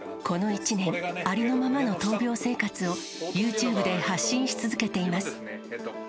この１年、ありのままの闘病生活をユーチューブで発信し続けています。